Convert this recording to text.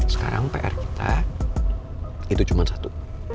sekarang pr kita itu cuma satu